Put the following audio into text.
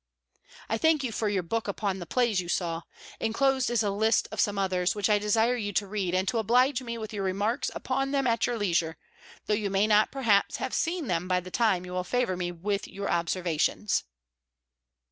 I thank you for your book upon the plays you saw. Inclosed is a list of some others, which I desire you to read, and to oblige me with your remarks upon them at your leisure; though you may not, perhaps, have seen them by the time you will favour me with your observations.